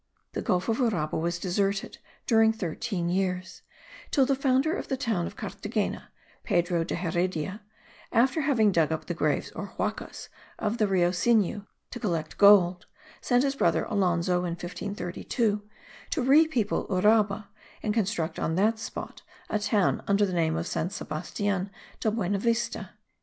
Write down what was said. The Gulf of Uraba was deserted during thirteen years, till the founder of the town of Carthagena, Pedro de Heredia, after having dug up the graves, or huacas, of the Rio Sinu, to collect gold, sent his brother Alonzo, in 1532, to repeople Uraba, and reconstruct on that spot a town under the name of San Sebastian de Buenavista.)